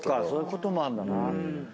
そういうこともあるんだな。